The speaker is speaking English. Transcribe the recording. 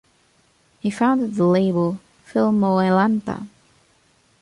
He founded the label "Fillmoelanta".